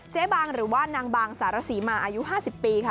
บางหรือว่านางบางสารศรีมาอายุ๕๐ปีค่ะ